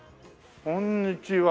こんにちは。